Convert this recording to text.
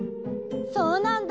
そうなんだ。